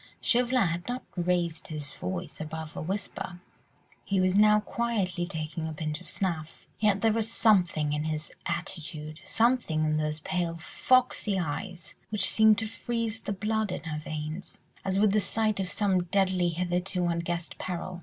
Chauvelin had not raised his voice above a whisper; he was now quietly taking a pinch of snuff, yet there was something in his attitude, something in those pale, foxy eyes, which seemed to freeze the blood in her veins, as would the sight of some deadly hitherto unguessed peril.